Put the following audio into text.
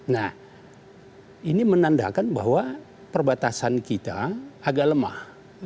nah ini menandakan bahwa perbatasan kita agak lemah